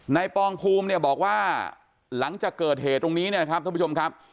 ปองภูมิเนี่ยบอกว่าหลังจากเกิดเหตุตรงนี้เนี่ยนะครับท่านผู้ชมครับ